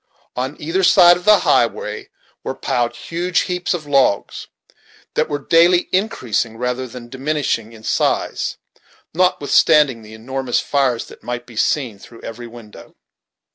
On either side of the highway were piled huge heaps of logs, that were daily increasing rather than diminishing in size, notwithstanding the enormous fires that might be seen through every window.